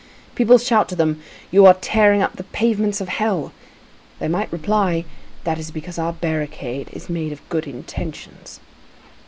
People shout to them: "You are tearing up the pavements of hell!" They might reply: "That is because our barricade is made of good intentions."